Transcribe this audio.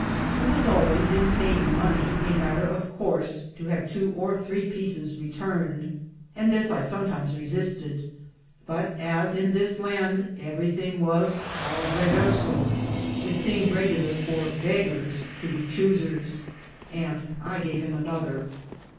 It was always, in paying money, a matter of course to have two or three pieces return ed, and this I sometimes resisted ; but as in this land everything was al reverse, it seemed regular for beg gars to be choosers, and I gave him another.